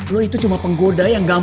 justru gue yang ogah